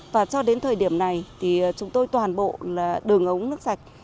và cho đến thời điểm này thì chúng tôi toàn bộ là đường ống nước sạch